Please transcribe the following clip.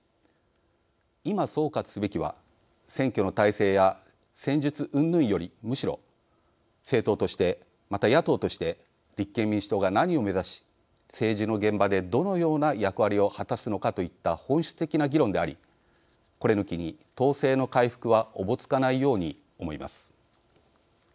今、総括すべきは選挙の体制や戦術うんぬんよりむしろ政党としてまた野党として立憲民主党が何を目指し政治の現場でどのような役割を果たすのかといった本質的な議論でありこれ抜きに党勢の回復はおぼつかないように思います。